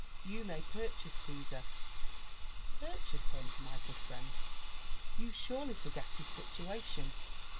You may paithase C«sar." *' Purchase him, my good friend? — You surely forget his situation.